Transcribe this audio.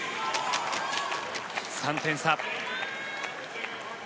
３点差。